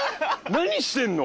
何してんの？